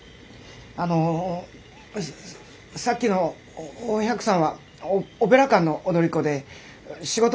あのささっきのお百さんはおオペラ館の踊り子で仕事のつながりで。